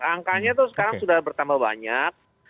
angkanya itu sekarang sudah bertambah banyak